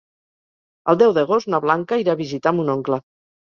El deu d'agost na Blanca irà a visitar mon oncle.